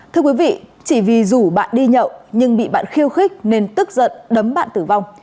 thưa quý vị chỉ vì rủ bạn đi nhậu nhưng bị bạn khiêu khích nên tức giận đấm bạn tử vong